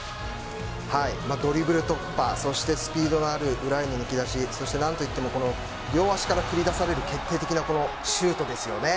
ドリブル突破、そしてスピードのある裏への抜け出し何といっても両足から繰り出される決定的なシュートですよね。